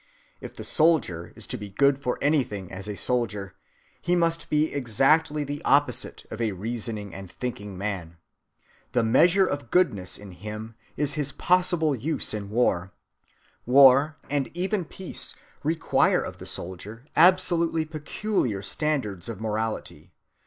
If the soldier is to be good for anything as a soldier, he must be exactly the opposite of a reasoning and thinking man. The measure of goodness in him is his possible use in war. War, and even peace, require of the soldier absolutely peculiar standards of morality.